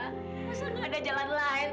masa gak ada jalan lain